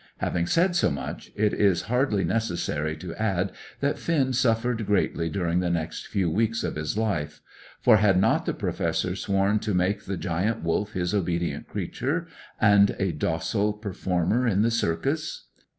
Having said so much, it is hardly necessary to add that Finn suffered greatly during the next few weeks of his life; for had not the Professor sworn to make the Giant Wolf his obedient creature, and a docile performer in the circus?